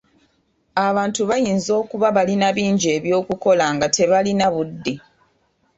Abantu bayinza okuba balina bingi ebyokukola nga tebalina budde.